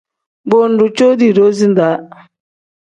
Bo ngdu cuko doozi da.